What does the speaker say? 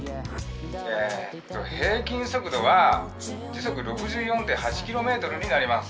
えっと平均速度は時速６４．８ｋｍになります。